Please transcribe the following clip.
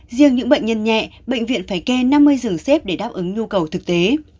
riêng những bệnh nhân nhẹ bệnh viện phải kê năm mươi giường xếp để đáp ứng nhu cầu thực tế